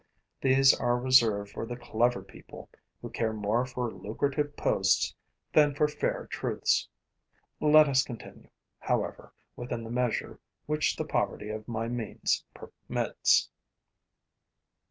These are reserved for the clever people who care more for lucrative posts than for fair truths. Let us continue, however, within the measure which the poverty of my means permits.